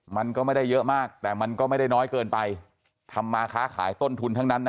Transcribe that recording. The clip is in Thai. มากแต่มันก็ไม่ได้น้อยเกินไปทำมาค้าขายต้นทุนทั้งนั้นนะ